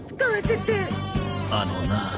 あのなあ。